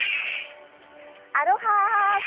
アロハ。